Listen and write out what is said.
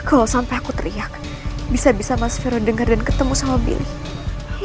kalo sampe aku teriak bisa bisa mas vero denger dan ketemu sama billy